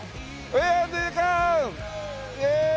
イエーイ！